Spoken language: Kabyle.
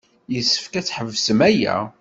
Yessefk ad ḥebsen aya.